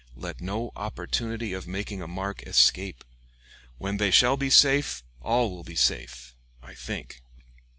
Let no opportunity of making a mark escape. When they shall be safe, all will be safe I think."